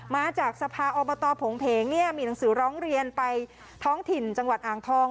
มาจากสภาอบตโผงเพงเนี่ยมีหนังสือร้องเรียนไปท้องถิ่นจังหวัดอ่างทอง